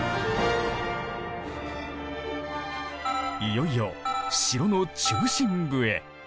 いよいよ城の中心部へ。